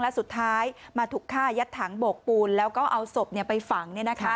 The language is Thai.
และสุดท้ายมาถูกฆ่ายัดถังโบกปูนแล้วก็เอาศพไปฝัง